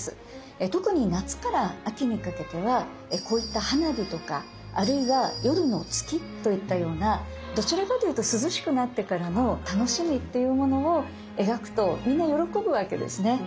特に夏から秋にかけてはこういった花火とかあるいは夜の月といったようなどちらかというと涼しくなってからの楽しみっていうものを描くとみんな喜ぶわけですね。